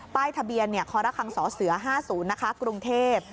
ป้ายทะเบียนคศ๕๐นะครับกรุงเทพฯ